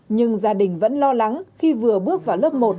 nhưng gia đình vẫn lo lắng khi vừa bước vào lớp một